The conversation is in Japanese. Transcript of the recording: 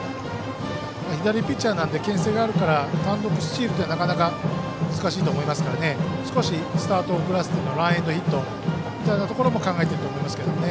左ピッチャーなんでけん制があるから単独スチールはなかなか難しいと思いますから少しスタートを遅らせてのランエンドヒットも考えていると思いますけどね。